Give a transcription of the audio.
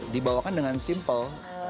dibawakan dengan simpel